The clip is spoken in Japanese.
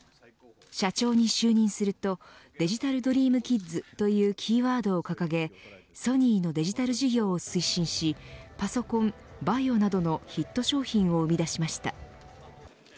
社長に就任するとデジタル・ドリーム・キッズというキーワードを掲げソニーのデジタル事業を推進しパソコン、ＶＡＩＯなどのヒット商品を生み出しました。